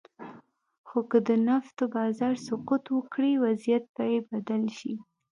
خو که د نفتو بازار سقوط وکړي، وضعیت به یې بدل شي.